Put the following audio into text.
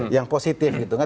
yang positif gitu kan